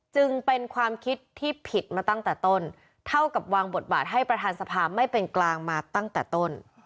จึงเป็นความคิดที่ผิดมาตั้งแต่ต้นเท่ากับวางบทบาทให้ประธานสภาไม่เป็นกลางมาตั้งแต่ต้น